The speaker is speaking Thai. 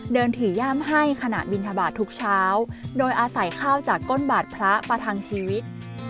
เดินถือย่ามให้ขณะบินทบาททุกเช้าโดยอาศัยข้าวจากก้นบาทพระประทังชีวิต